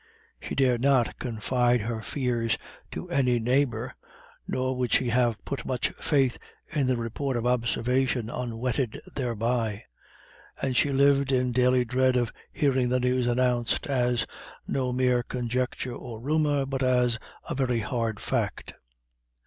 She dared not confide her fears to any neighbour, nor would she have put much faith in the report of observation unwhetted thereby; and she lived in daily dread of hearing the news announced as no mere conjecture or rumour, but a very hard fact.